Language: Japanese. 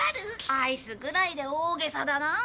アイスぐらいで大げさだな。